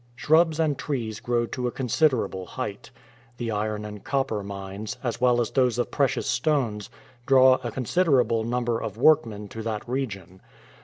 Shrubs and trees grow to a considerable height. The iron and copper mines, as well as those of precious stones, draw a considerable number of workmen to that region.